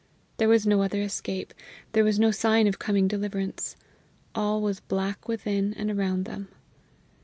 There was no other escape; there was no sign of coming deliverance. All was black within and around them.